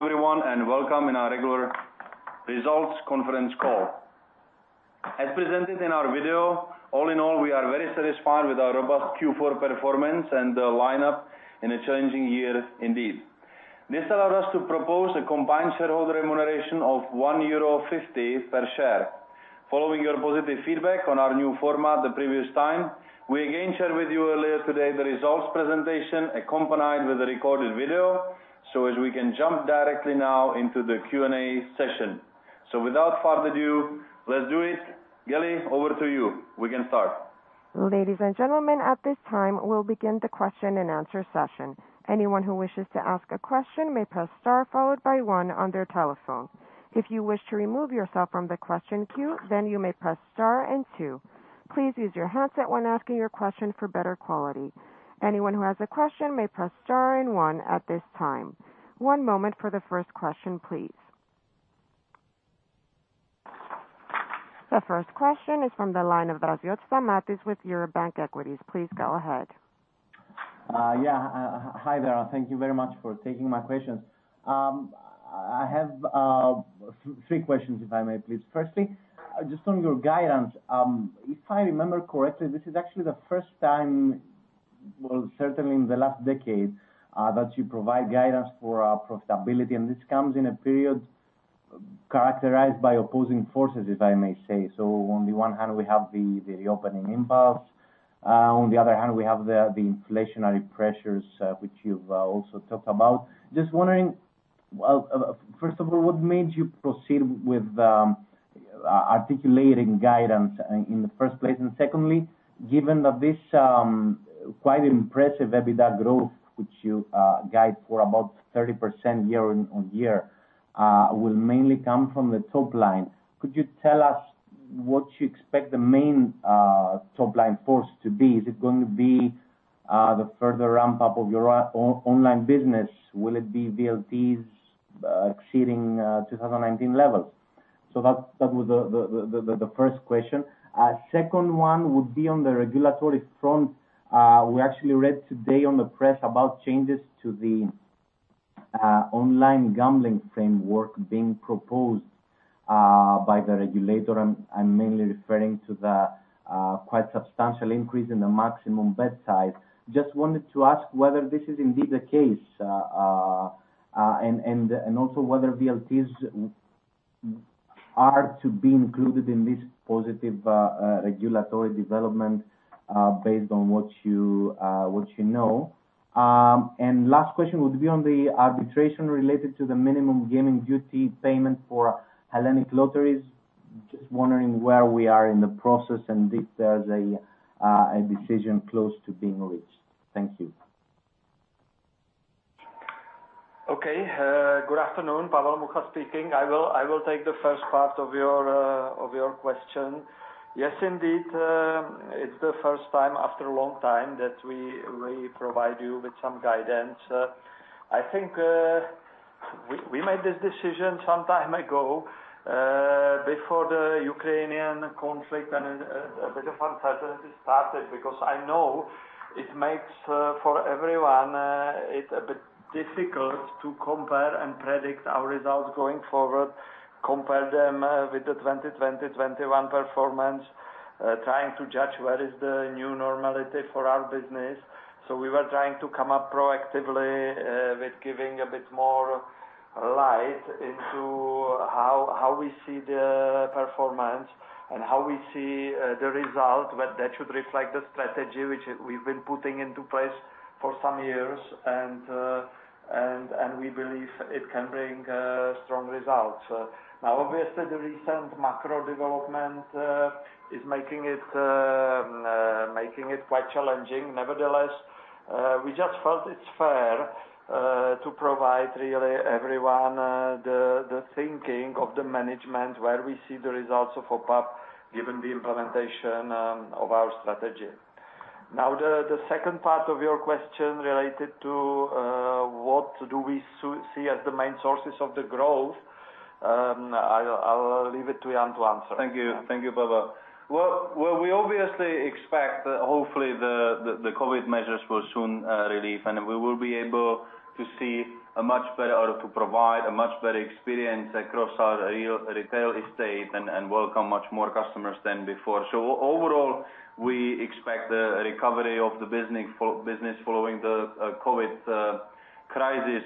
everyone, and welcome to our regular results conference call. As presented in our video, all in all, we are very satisfied with our robust Q4 performance and the outlook in a challenging year indeed. This allowed us to propose a combined shareholder remuneration of 1.50 euro per share. Following your positive feedback on our new format the previous time, we again share with you earlier today the results presentation accompanied with a recorded video, so as we can jump directly now into the Q&A session. Without further ado, let's do it. Gilly, over to you. We can start. Ladies and gentlemen, at this time, we'll begin the question and answer session. Anyone who wishes to ask a question may press star followed by one on their telephone. If you wish to remove yourself from the question queue, then you may press star and two. Please use your headset when asking your question for better quality. Anyone who has a question may press star and one at this time. One moment for the first question, please. The first question is from the line of Stamatios Draziotis with Eurobank Equities. Please go ahead. Yeah. Hi there. Thank you very much for taking my questions. I have three questions, if I may, please. Firstly, just on your guidance, if I remember correctly, this is actually the first time, well, certainly in the last decade, that you provide guidance for profitability, and this comes in a period characterized by opposing forces, if I may say. On the one hand, we have the opening impulse. On the other hand, we have the inflationary pressures, which you've also talked about. Just wondering, well, first of all, what made you proceed with articulating guidance in the first place? And secondly, given that this quite impressive EBITDA growth, which you guide for about 30% year-on-year, will mainly come from the top line. Could you tell us what you expect the main top line force to be? Is it gonna be the further ramp-up of your online business? Will it be VLTs exceeding 2019 levels? That was the first question. Second one would be on the regulatory front. We actually read today in the press about changes to the online gambling framework being proposed by the regulator. I'm mainly referring to the quite substantial increase in the maximum bet size. Just wanted to ask whether this is indeed the case and also whether VLTs are to be included in this positive regulatory development based on what you know. Last question would be on the arbitration related to the minimum gaming duty payment for Hellenic Lotteries. Just wondering where we are in the process and if there's a decision close to being reached. Thank you. Okay. Good afternoon. Pavel Mucha speaking. I will take the first part of your question. Yes, indeed, it's the first time after a long time that we provide you with some guidance. I think we made this decision some time ago before the Ukrainian conflict and a bit of uncertainty started, because I know it makes it a bit difficult for everyone to compare and predict our results going forward, compare them with the 2020, 2021 performance, trying to judge where is the new normality for our business. We were trying to come up proactively with giving a bit more light into how we see the performance and how we see the result, but that should reflect the strategy which we've been putting into place for some years, and we believe it can bring strong results. Now, obviously the recent macro development is making it quite challenging. Nevertheless, we just felt it's fair to provide really everyone the thinking of the management, where we see the results of OPAP given the implementation of our strategy. Now, the second part of your question related to what do we see as the main sources of the growth, I'll leave it to Jan to answer. Thank you. Thank you, Pavel. Well, we obviously expect hopefully the COVID measures will soon relieve, and we will be able to provide a much better experience across our real retail estate and welcome much more customers than before. Overall, we expect a recovery of the business following the COVID crisis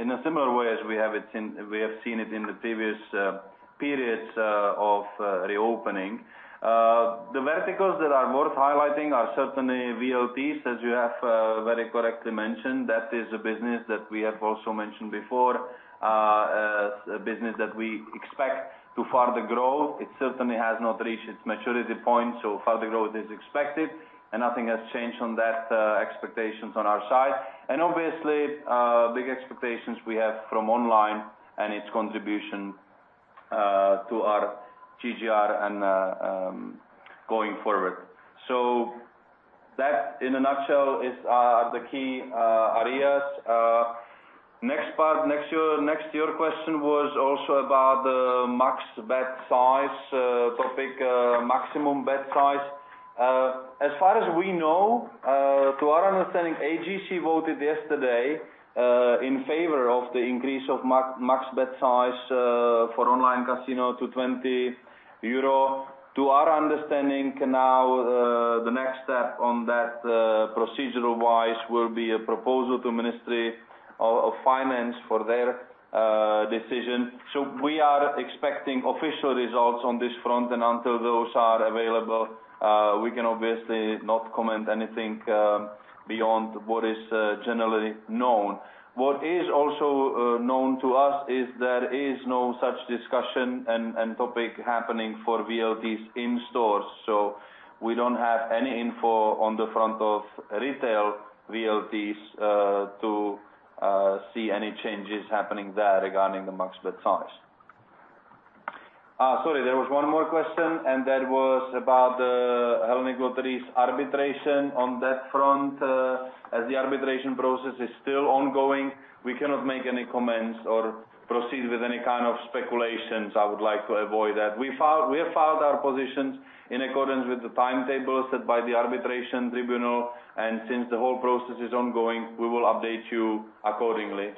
in a similar way as we have seen it in the previous periods of reopening. The verticals that are worth highlighting are certainly VLTs, as you have very correctly mentioned. That is a business that we have also mentioned before, a business that we expect to further grow. It certainly has not reached its maturity point, so further growth is expected, and nothing has changed on that, expectations on our side. Obviously, big expectations we have from online and its contribution to our GGR and going forward. That, in a nutshell, are the key areas. Next, your question was also about the max bet size topic, maximum bet size. As far as we know, to our understanding, EEEP voted yesterday in favor of the increase of max bet size for online casino to 20 euro. To our understanding now, the next step on that, procedural wise, will be a proposal to Ministry of Finance for their decision. We are expecting official results on this front, and until those are available, we can obviously not comment anything beyond what is generally known. What is also known to us is there is no such discussion and topic happening for VLTs in stores. We don't have any info on the front of retail VLTs to see any changes happening there regarding the max bet size. Sorry, there was one more question, and that was about the Hellenic Lotteries arbitration. On that front, as the arbitration process is still ongoing, we cannot make any comments or proceed with any kind of speculations. I would like to avoid that. We have filed our positions in accordance with the timetable set by the arbitration tribunal. Since the whole process is ongoing, we will update you accordingly.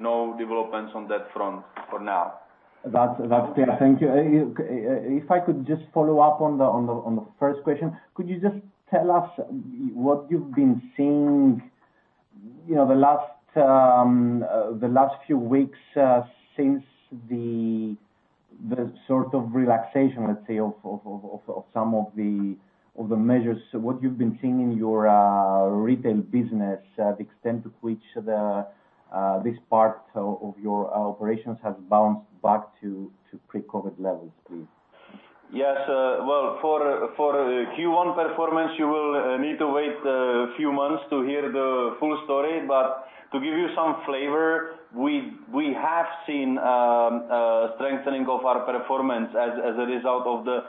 No developments on that front for now. That's clear. Thank you. If I could just follow up on the first question, could you just tell us what you've been seeing the last few weeks since the sort of relaxation, let's say, of some of the measures. What you've been seeing in your retail business, the extent to which this part of your operations has bounced back to pre-COVID levels, please. Yes. Well, for Q1 performance, you will need to wait a few months to hear the full story. To give you some flavor, we have seen strengthening of our performance as a result of the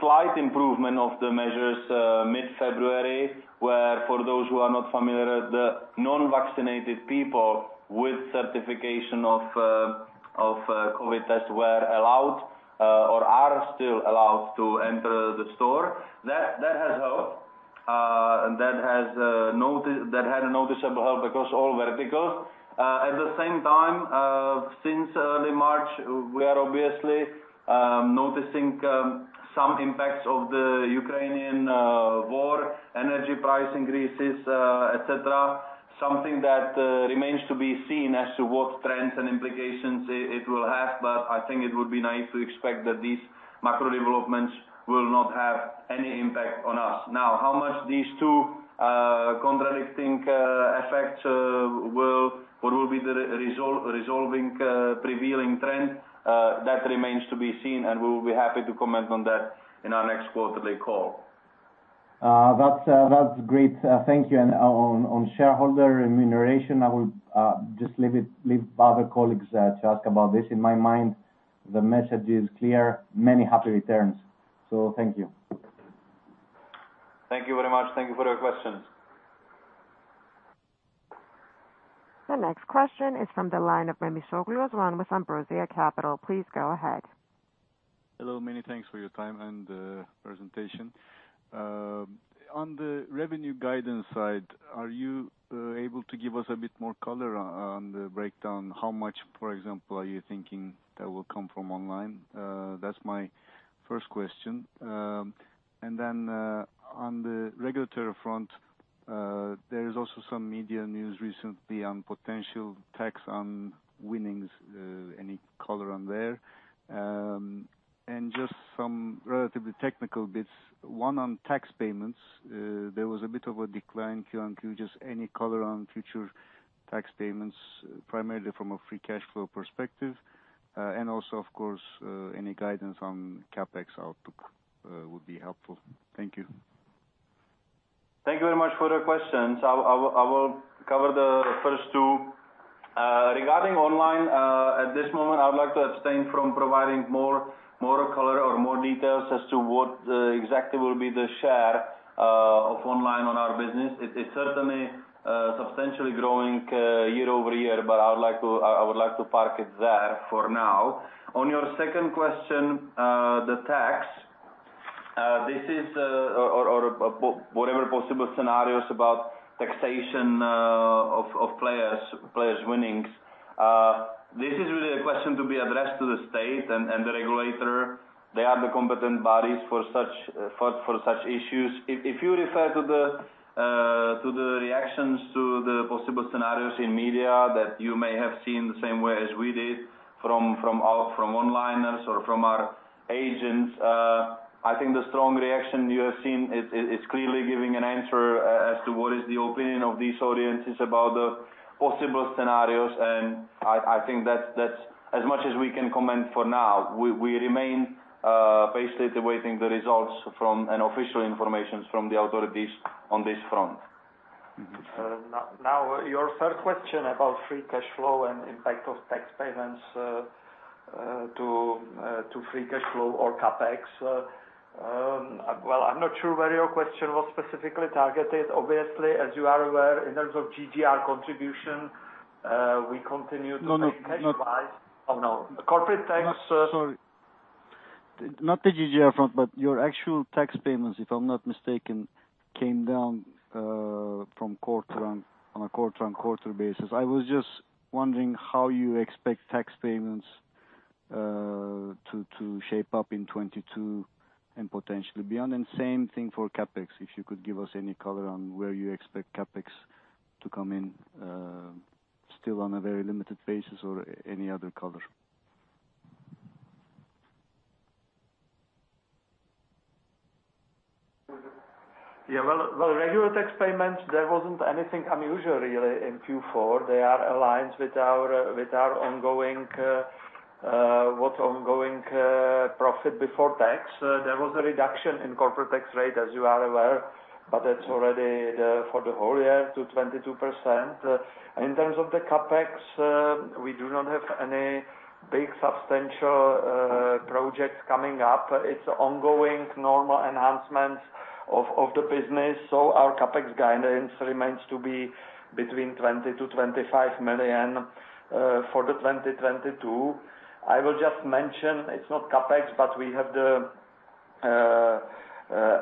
slight improvement of the measures mid-February. For those who are not familiar, the non-vaccinated people with certification of COVID test were allowed or are still allowed to enter the store. That has helped, and that had a noticeable help across all verticals. At the same time, since early March, we are obviously noticing some impacts of the Ukrainian war, energy price increases, et cetera. Something that remains to be seen as to what trends and implications it will have. I think it would be nice to expect that these macro developments will not have any impact on us. Now, how these two contradicting effects will resolve, what the prevailing trend will be, that remains to be seen, and we will be happy to comment on that in our next quarterly call. That's great. Thank you. On shareholder remuneration, I will just leave it to other colleagues to ask about this. In my mind, the message is clear. Many happy returns. Thank you. Thank you very much. Thank you for your questions. The next question is from the line of Osman Memisoglu with Ambrosia Capital. Please go ahead. Hello. Many thanks for your time and presentation. On the revenue guidance side, are you able to give us a bit more color on the breakdown? How much, for example, are you thinking that will come from online? That's my first question. On the regulatory front, there is also some media news recently on potential tax on winnings. Any color on there? Just some relatively technical bits, one on tax payments. There was a bit of a decline quarter-over-quarter. Just any color on future tax payments, primarily from a free cash flow perspective. Also of course, any guidance on CapEx outlook would be helpful. Thank you. Thank you very much for the questions. I will cover the first two. Regarding online, at this moment I would like to abstain from providing more color or more details as to what exactly will be the share of online on our business. It's certainly substantially growing year-over-year. I would like to park it there for now. On your second question, the tax, this is or whatever possible scenarios about taxation of players' winnings. This is really a question to be addressed to the state and the regulator. They are the competent bodies for such issues. If you refer to the reactions to the possible scenarios in media that you may have seen the same way as we did from our onliners or from our agents. I think the strong reaction you have seen is clearly giving an answer as to what is the opinion of these audiences about the possible scenarios, and I think that's as much as we can comment for now. We remain basically awaiting the results from official information from the authorities on this front. Mm-hmm. Now your third question about free cash flow and impact of tax payments to free cash flow or CapEx. Well, I'm not sure where your question was specifically targeted. Obviously, as you are aware, in terms of GGR contribution, we continue to pay tax- No, no. Oh, no. The corporate tax. Sorry. Not the GGR front, your actual tax payments, if I'm not mistaken, came down from quarter-on-quarter basis. I was just wondering how you expect tax payments to shape up in 2022 and potentially beyond. Same thing for CapEx. If you could give us any color on where you expect CapEx to come in, still on a very limited basis or any other color. Well, regular tax payments, there wasn't anything unusual really in Q4. They are aligned with our ongoing profit before tax. There was a reduction in corporate tax rate, as you are aware, but that's already for the whole year to 22%. In terms of the CapEx, we do not have any big substantial projects coming up. It's ongoing normal enhancements of the business. So our CapEx guidance remains to be between 20 million-25 million for 2022. I will just mention it's not CapEx, but we have the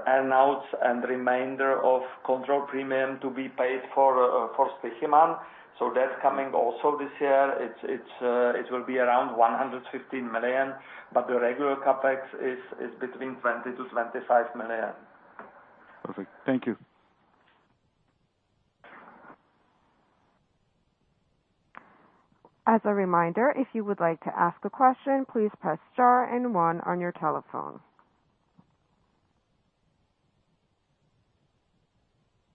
announced remainder of control premium to be paid for Stoiximan. So that's coming also this year. It will be around 115 million, but the regular CapEx is between 20 million-25 million. Perfect. Thank you. As a reminder, if you would like to ask a question, please press star and one on your telephone.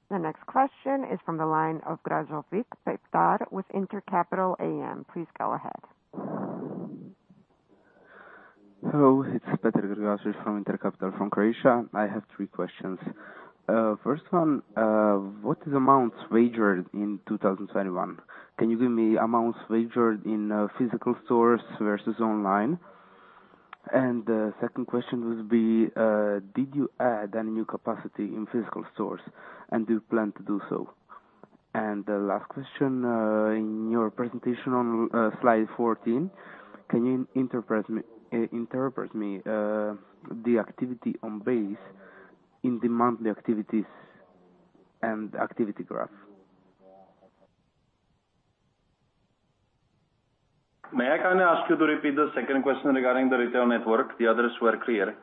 The next question is from the line of Petar Grgašović with InterCapital AM. Please go ahead. Hello. It's Petar Grgašović from InterCapital from Croatia. I have three questions. First one, what is amounts wagered in 2021? Can you give me amounts wagered in physical stores versus online? The second question would be, did you add any new capacity in physical stores and do you plan to do so? The last question, in your presentation on slide 14, can you interpret for me the activity on base in the monthly activities and activity graph? May I kindly ask you to repeat the second question regarding the retail network? The others were clear.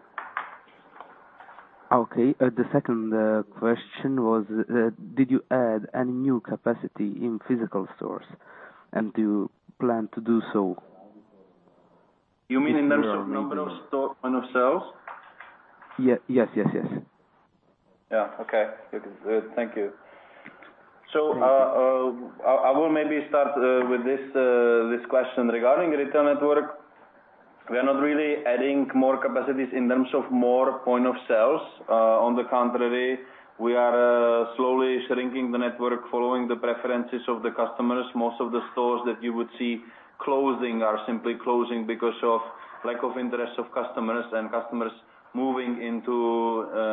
Okay. The second question was, did you add any new capacity in physical stores and do you plan to do so? You mean in terms of number of sales? Yes. Yeah. Okay. Good. Thank you. I will maybe start with this question regarding retail network. We are not really adding more capacities in terms of more points of sale. On the contrary, we are slowly shrinking the network following the preferences of the customers. Most of the stores that you would see closing are simply closing because of lack of interest of customers, and customers moving into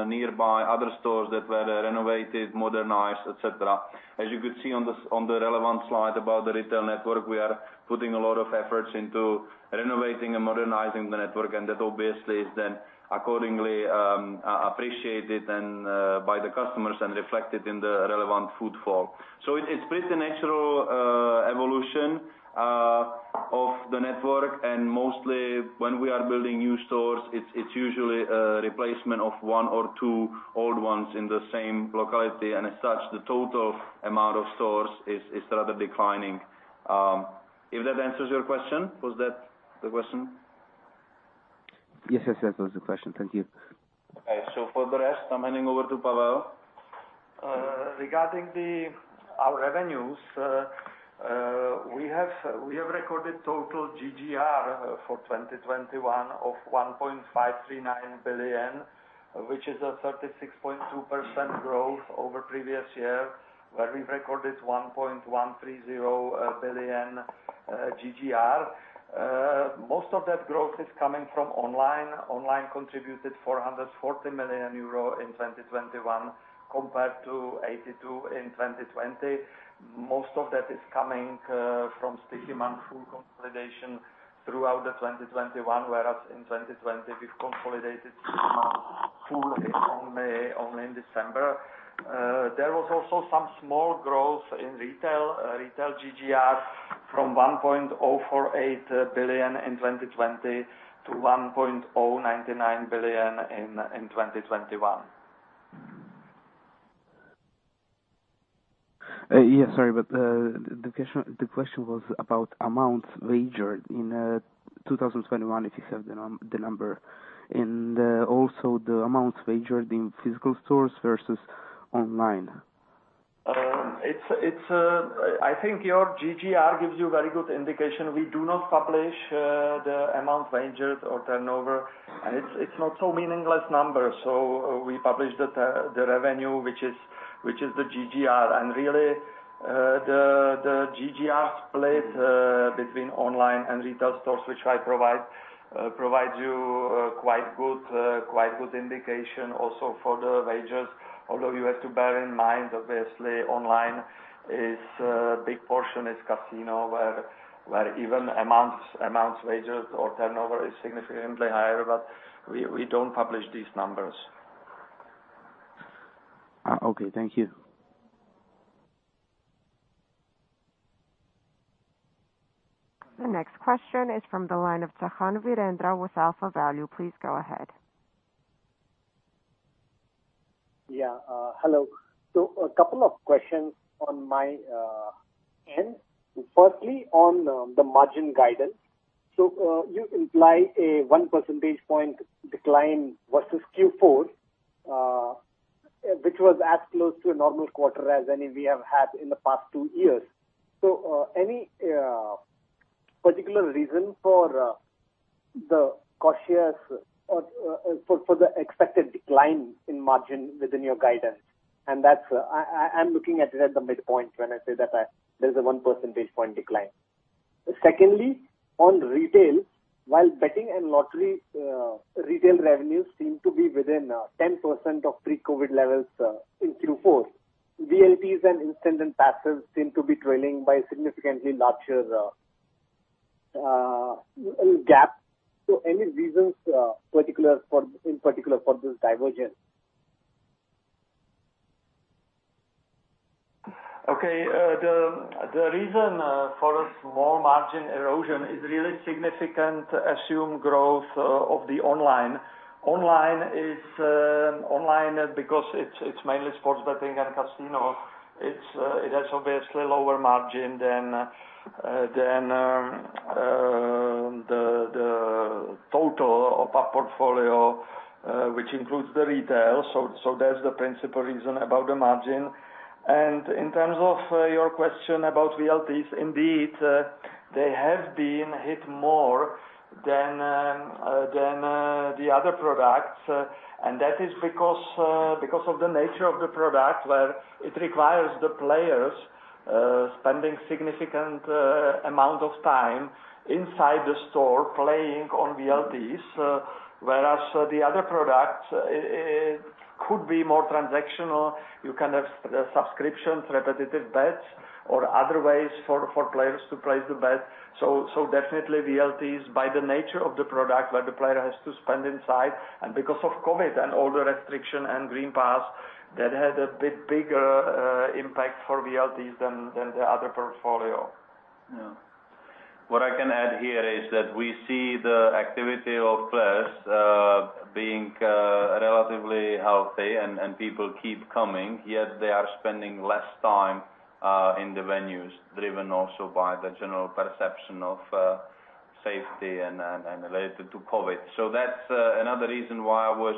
nearby other stores that were renovated, modernized, et cetera. As you could see on the relevant slide about the retail network, we are putting a lot of efforts into renovating and modernizing the network, and that obviously is then accordingly appreciated by the customers and reflected in the relevant footfall. It's pretty natural evolution of the network. Mostly when we are building new stores, it's usually a replacement of one or two old ones in the same locality, and as such, the total amount of stores is rather declining. If that answers your question. Was that the question? Yes. Yes. Yes, that was the question. Thank you. Okay. For the rest, I'm handing over to Pavel. Regarding our revenues, we have recorded total GGR for 2021 of 1.539 billion, which is a 36.2% growth over previous year, where we recorded 1.130 billion GGR. Most of that growth is coming from online. Online contributed 440 million euro in 2021 compared to 82 in 2020. Most of that is coming from Stoiximan full consolidation throughout 2021, whereas in 2020 we consolidated fully only in December. There was also some small growth in retail. Retail GGR from 1.048 billion in 2020 to 1.099 billion in 2021. Yes, sorry. The question was about amounts wagered in 2021, if you have the number. Also the amounts wagered in physical stores versus online. I think your GGR gives you very good indication. We do not publish the amount wagered or turnover, and it's not so meaningless number. We published the revenue which is the GGR. Really, the GGR split between online and retail stores, which I provide provides you quite good indication also for the wagers. Although you have to bear in mind, obviously online is big portion is casino where even amounts wagered or turnover is significantly higher. We don't publish these numbers. Okay. Thank you. The next question is from the line of Virendra Chauhan with AlphaValue. Please go ahead. Yeah. Hello. A couple of questions on my end. Firstly, on the margin guidance. You imply a one percentage point decline versus Q4, which was as close to a normal quarter as any we have had in the past two years. Any particular reason for the cautious or for the expected decline in margin within your guidance? That's, I'm looking at it at the midpoint when I say that there's a one percentage point decline. Secondly, on retail, while betting and lottery retail revenues seem to be within 10% of pre-COVID levels in Q4, VLTs and instant and passes seem to be trailing by significantly larger gap. Any reasons in particular for this divergence? Okay. The reason for a small margin erosion is really significant assumed growth of the online. Online is online because it's mainly sports betting and casino. It has obviously lower margin than the total of our portfolio, which includes the retail. That's the principal reason about the margin. In terms of your question about VLTs, indeed, they have been hit more than the other products. That is because of the nature of the product, where it requires the players spending significant amount of time inside the store playing on VLTs, whereas the other product could be more transactional. You can have the subscriptions, repetitive bets or other ways for players to place the bet. Definitely VLTs, by the nature of the product, where the player has to spend inside and because of COVID and all the restriction and green pass, that had a bit bigger impact for VLTs than the other portfolio. Yeah. What I can add here is that we see the activity of players being relatively healthy and people keep coming, yet they are spending less time in the venues, driven also by the general perception of safety and related to COVID. That's another reason why I was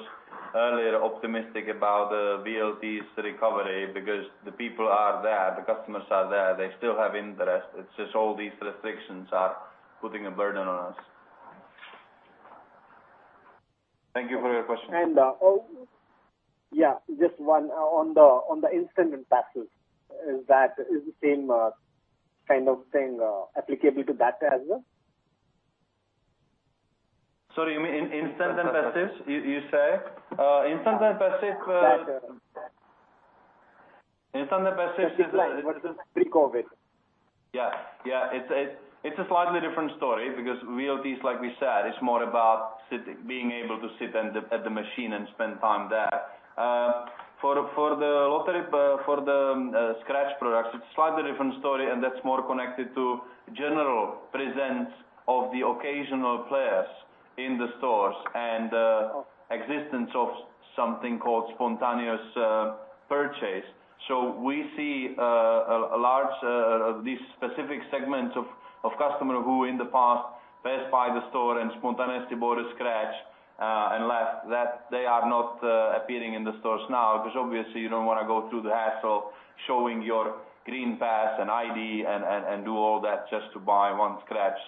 earlier optimistic about the VLTs recovery because the people are there, the customers are there, they still have interest. It's just all these restrictions are putting a burden on us. Thank you for your question. Yeah, just one on the instant and passes. Is that the same kind of thing applicable to that as well? Sorry, you mean Instant and Passives, you say? Instant and Passives. Passes. Instant and passes is Pre-COVID. Yeah, yeah. It's a slightly different story because VLTs, like we said, it's more about being able to sit at the machine and spend time there. For the lottery, for the scratch products, it's slightly different story, and that's more connected to general presence of the occasional players in the stores and existence of something called spontaneous purchase. We see a large these specific segments of customers who in the past passed by the store and spontaneously bought a scratch and left, that they are not appearing in the stores now. 'Cause obviously you don't wanna go through the hassle of showing your green pass and ID and do all that just to buy one scratch.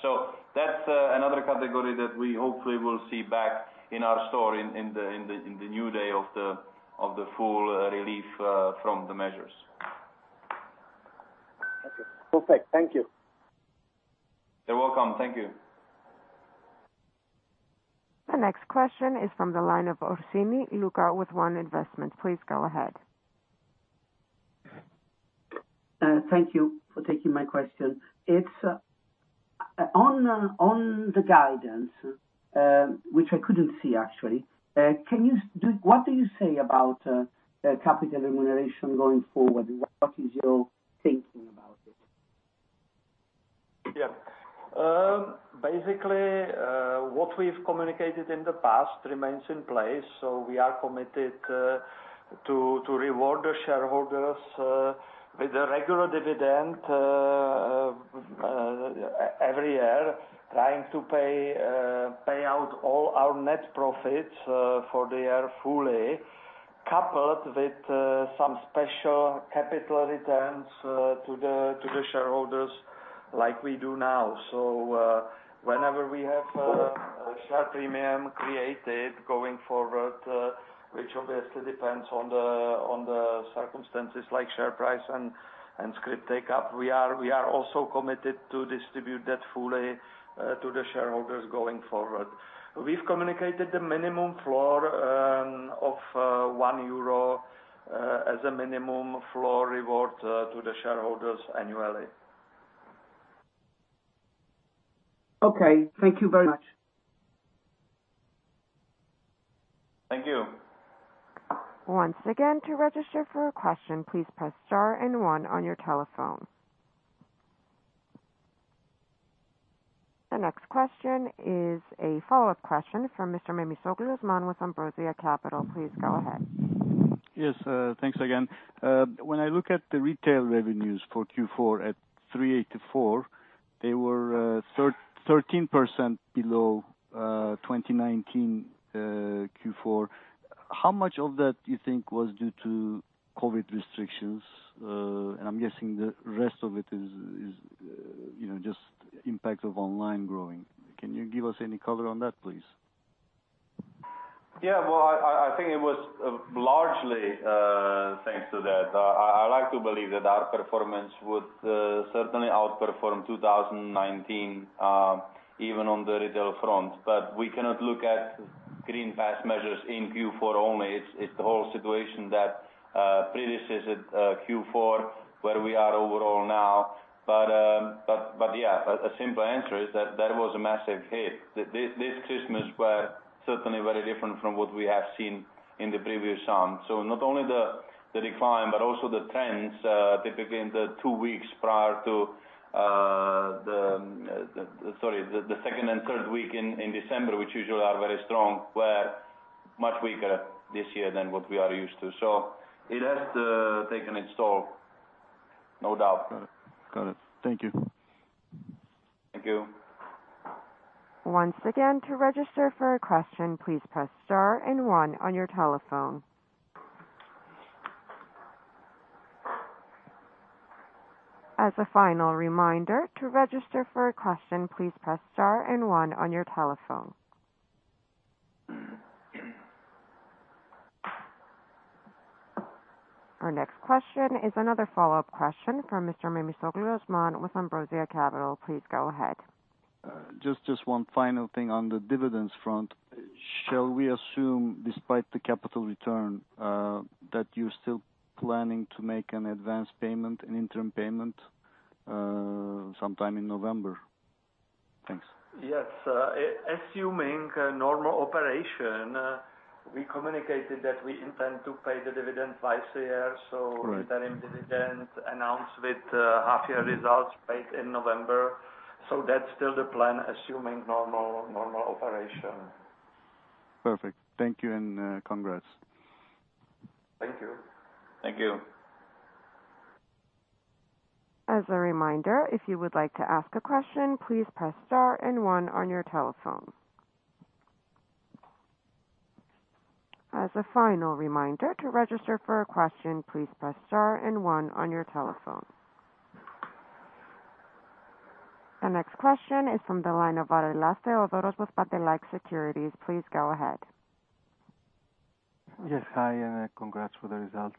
That's another category that we hopefully will see back in our store in the new day of the full relief from the measures. Okay. Perfect. Thank you. You're welcome. Thank you. The next question is from the line of Luca Orsini with One Investment. Please go ahead. Thank you for taking my question. It's on the guidance, which I couldn't see actually. What do you say about capital remuneration going forward? What is your thinking about it? Yeah. Basically, what we've communicated in the past remains in place. We are committed to reward the shareholders with a regular dividend every year, trying to pay out all our net profits for the year fully, coupled with some special capital returns to the shareholders like we do now. Whenever we have a share premium created going forward, which obviously depends on the circumstances like share price and scrip take-up, we are also committed to distribute that fully to the shareholders going forward. We've communicated the minimum floor of 1 euro as a minimum floor reward to the shareholders annually. Okay. Thank you very much. Thank you. The next question is a follow-up question from Mr. Osman Memisoglu with Ambrosia Capital. Please go ahead. Yes. Thanks again. When I look at the retail revenues for Q4 at 384, they were 13% below 2019 Q4. How much of that do you think was due to COVID restrictions? I'm guessing the rest of it is, you know, just impact of online growing. Can you give us any color on that, please? Yeah. Well, I think it was largely thanks to that. I like to believe that our performance would certainly outperform 2019, even on the retail front. We cannot look at green pass measures in Q4 only. It's the whole situation that precedes it, Q4, where we are overall now. Yeah, a simple answer is that that was a massive hit. This Christmas were certainly very different from what we have seen in the previous year. Not only the decline but also the trends, typically in the two weeks prior to the second and third week in December, which usually are very strong, were much weaker this year than what we are used to. It has taken its toll, no doubt. Got it. Thank you. Thank you. Our next question is another follow-up question from Mr. Osman Memisoglu with Ambrosia Capital. Please go ahead. Just one final thing on the dividends front. Shall we assume, despite the capital return, that you're still planning to make an advanced payment, an interim payment, sometime in November? Thanks. Yes. Assuming a normal operation, we communicated that we intend to pay the dividend twice a year. Right. Interim dividend announced with half-year results paid in November. That's still the plan, assuming normal operation. Perfect. Thank you and congrats. Thank you. Thank you. The next question is from the line of Iakovos Kourtesis with Piraeus Securities. Please go ahead. Yes. Hi, and congrats for the result.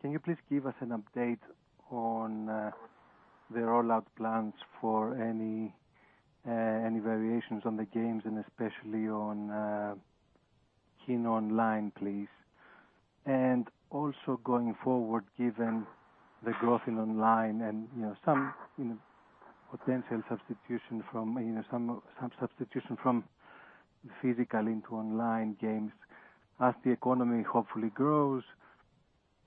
Can you please give us an update on the rollout plans for any variations on the games and especially on Keno Online, please? Also going forward, given the growth in online and, you know, some potential substitution from physical into online games as the economy hopefully grows,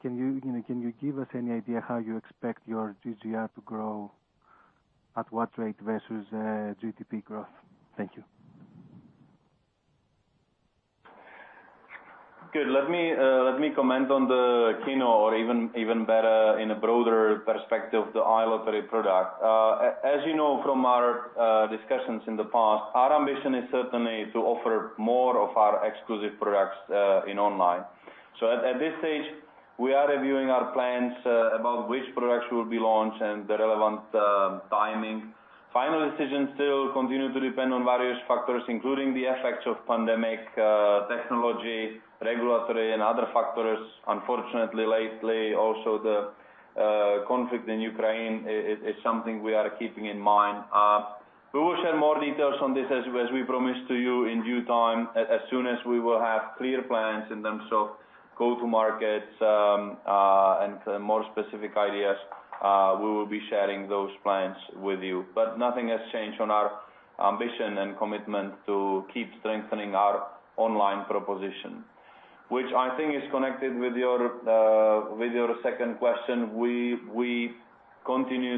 can you give us any idea how you expect your GGR to grow, at what rate versus GDP growth? Thank you. Good. Let me comment on the keynote or even better in a broader perspective, the iLottery product. As you know from our discussions in the past, our ambition is certainly to offer more of our exclusive products in online. At this stage, we are reviewing our plans about which products will be launched and the relevant timing. Final decisions still continue to depend on various factors, including the effects of pandemic, technology, regulatory and other factors. Unfortunately, lately, also the conflict in Ukraine is something we are keeping in mind. We will share more details on this as we promised to you in due time, as soon as we will have clear plans in terms of go-to-markets and more specific ideas, we will be sharing those plans with you. Nothing has changed on our ambition and commitment to keep strengthening our online proposition, which I think is connected with your second question. We continue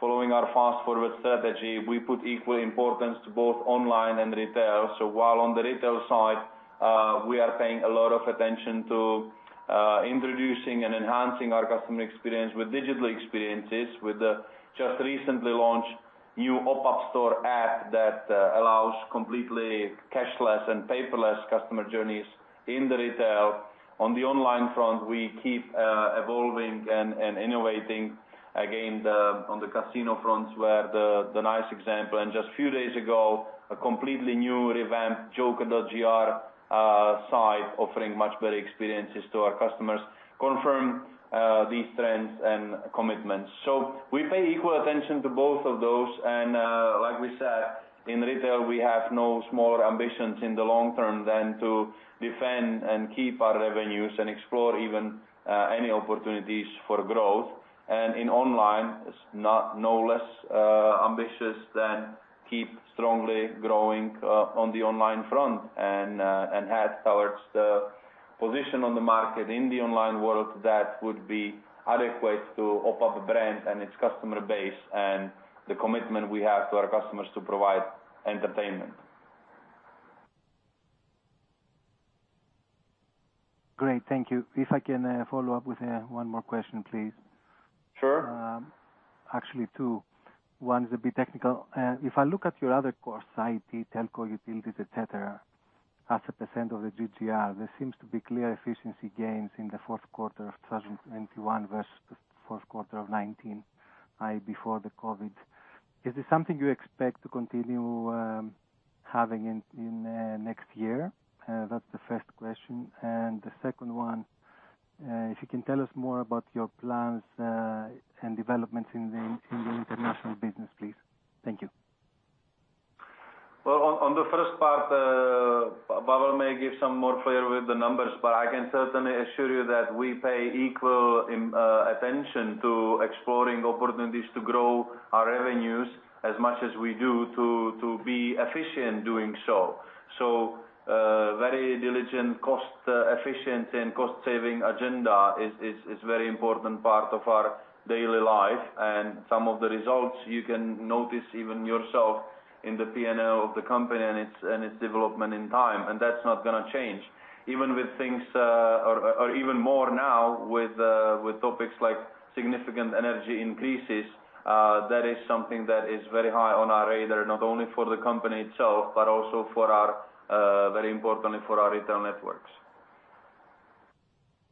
following our Fast Forward strategy. We put equal importance to both online and retail. While on the retail side, we are paying a lot of attention to introducing and enhancing our customer experience with digital experiences with the just recently launched new OPAP store app that allows completely cashless and paperless customer journeys in the retail. On the online front, we keep evolving and innovating again. On the casino front was the nice example. Just a few days ago, a completely new revamped joker.gr site offering much better experiences to our customers confirms these trends and commitments. We pay equal attention to both of those and, like we said, in retail, we have no smaller ambitions in the long term than to defend and keep our revenues and explore even any opportunities for growth. In online, it's not no less ambitious than keep strongly growing on the online front and head towards the position on the market in the online world that would be adequate to OPAP brand and its customer base and the commitment we have to our customers to provide entertainment. Great, thank you. If I can, follow up with, one more question, please. Sure. Actually two. One is a bit technical. If I look at your other costs, i.e., telco, utilities, etc., as a % of the GGR, there seems to be clear efficiency gains in the fourth quarter of 2021 versus the fourth quarter of 2019, i.e., before the COVID. Is this something you expect to continue having in next year? That's the first question. The second one, if you can tell us more about your plans and developments in the international business, please. Thank you. Well, on the first part, Pavel may give some more flavor with the numbers, but I can certainly assure you that we pay equal attention to exploring opportunities to grow our revenues as much as we do to be efficient doing so. Very diligent cost efficient and cost saving agenda is very important part of our daily life. Some of the results you can notice even yourself in the P&L of the company and its development in time, and that's not gonna change. Even with things, or even more now with topics like significant energy increases, that is something that is very high on our radar, not only for the company itself, but also for our very importantly for our retail networks.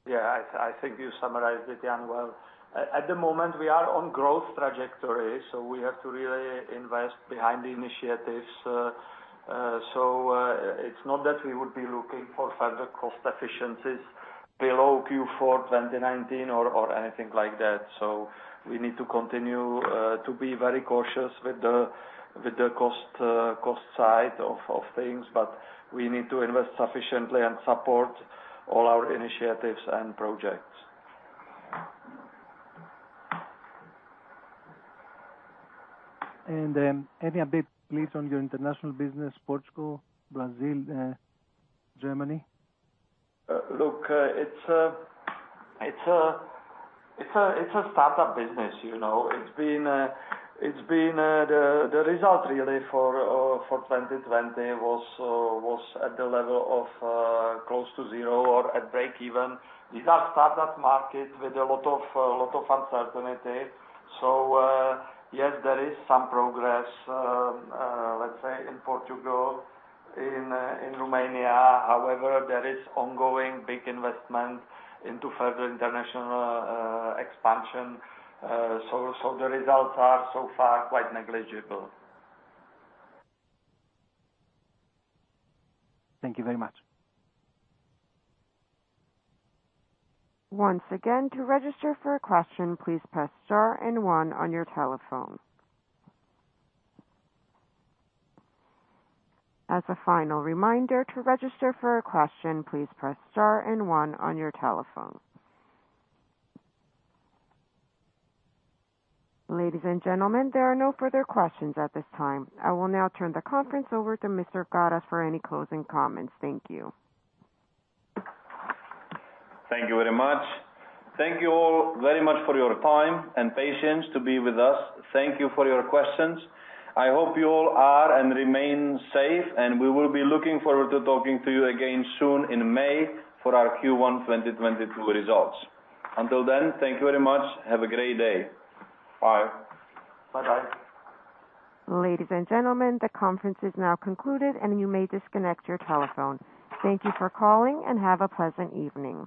Yeah. I think you summarized it, Jan, well. At the moment we are on growth trajectory, so we have to really invest behind the initiatives. It's not that we would be looking for further cost efficiencies below Q4 2019 or anything like that. We need to continue to be very cautious with the cost side of things, but we need to invest sufficiently and support all our initiatives and projects. Any update please on your international business, Portugal, Brazil, Germany? Look, it's a startup business, you know? The result really for 2020 was at the level of close to zero or at breakeven. These are startup market with a lot of uncertainty. Yes, there is some progress, let's say in Portugal, in Romania. However, there is ongoing big investment into further international expansion. The results are so far quite negligible. Thank you very much. Ladies and gentlemen, there are no further questions at this time. I will now turn the conference over to Mr. Karas for any closing comments. Thank you. Thank you very much. Thank you all very much for your time and patience to be with us. Thank you for your questions. I hope you all are and remain safe, and we will be looking forward to talking to you again soon in May for our Q1 2022 results. Until then, thank you very much. Have a great day. Bye. Bye-bye. Ladies and gentlemen, the conference is now concluded, and you may disconnect your telephone. Thank you for calling, and have a pleasant evening.